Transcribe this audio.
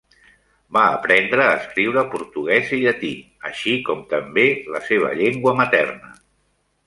Va aprendre a escriure portuguès i llatí, així com també la seva llengua materna.